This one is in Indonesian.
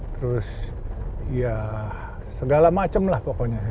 terus ya segala macam lah pokoknya